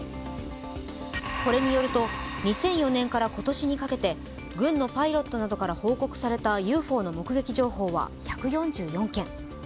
これによると、２００４年から今年にかけて軍のパイロットなどから報告されたＵＦＯの目撃情報とは１４４件。